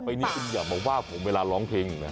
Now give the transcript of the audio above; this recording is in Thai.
ต่อไปนี่คุณอย่าบอกว่าผมเวลาร้องเพลงนะ